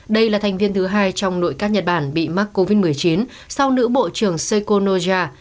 đây là thành viên thứ hai trong nội các nhật bản bị mắc covid một mươi chín sau nữ bộ trưởng sekonoja